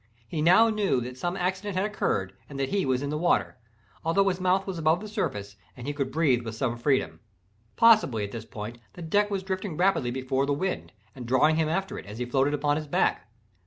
He now knew that some accident had occurred, and that he was in the water, although his mouth was above the surface, and he could breathe with some freedom. Possibly, at this period the deck was drifting rapidly before the wind, and drawing him after it, as he floated upon his back.